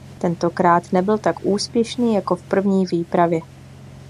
Tentokrát nebyl tak úspěšný jako v první výpravě.